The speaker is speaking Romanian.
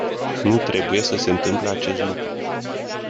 Nu trebuie să se întâmple acest lucru.